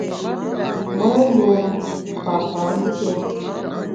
Me yun kpa pam nké.